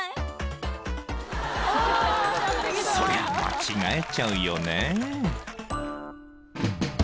［そりゃあ間違えちゃうよねぇ］